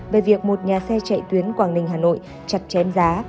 về việc một nhà xe chạy tuyến quảng ninh hà nội chặt chém giá